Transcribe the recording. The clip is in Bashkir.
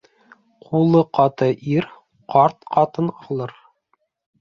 Ҡулы ҡаты ир ҡарт ҡатын алыр.